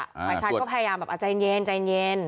ฝ่ายชายก็พยายามแบบใจเย็น